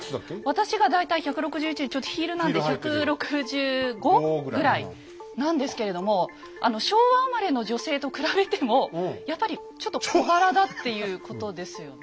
私が大体１６１でちょっとヒールなんで１６５？ぐらいなんですけれども昭和生まれの女性と比べてもやっぱりちょっと小柄だっていうことですよね。